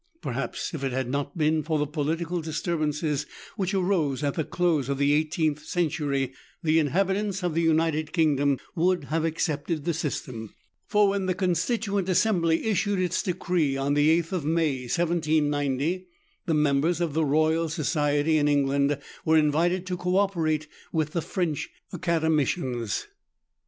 Perhaps if it had not been for the political disturbances which arose at the close of the 1 8th century, the inhabitants of the United Kingdom would have accepted the system, for when the Con D a 36 meridiana; the adventures of stituent Assembly issued its decree on the 8th of May, 1790, the members of the Royal Society in England were invited to co operate with the French Academicians.